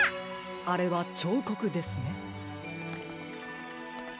あれはちょうこくですね。